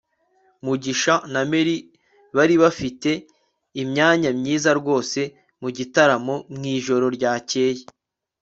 mugisha na mary bari bafite imyanya myiza rwose mugitaramo mwijoro ryakeye